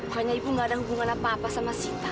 pokoknya ibu gak ada hubungan apa apa sama sita